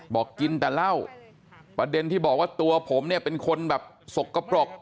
บอกกินแต่เหล้าประเด็นที่บอกว่าตัวผมเนี่ยเป็นคนแบบสกปรก